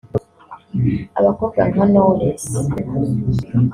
Abakobwa nka Knowless